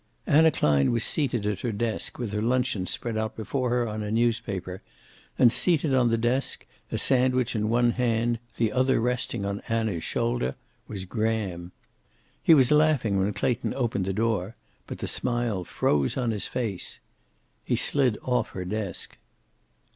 Anna Klein was seated at her desk, with her luncheon spread before her on a newspaper, and seated on the desk, a sandwich in one hand, the other resting on Anna's shoulder, was Graham. He was laughing when Clayton opened the door, but the smile froze on his face. He slid off her desk.